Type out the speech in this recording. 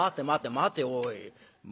待ておい。